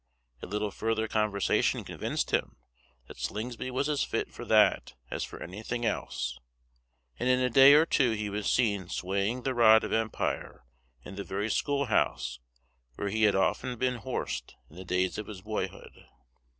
A little further conversation convinced him that Slingsby was as fit for that as for anything else, and in a day or two he was seen swaying the rod of empire in the very school house where he had often been horsed in the days of his boyhood.